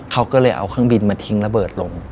เขาก็เลยเอาเครื่องบินมาทิ้งระเบิดลง